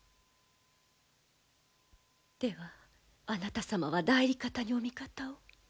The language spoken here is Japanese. あなた様は内裏方にお味方を？